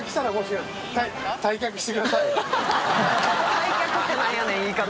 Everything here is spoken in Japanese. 退却」って何やねん言い方。